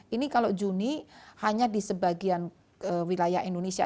ini kalau juni hanya di sebagian wilayah indonesia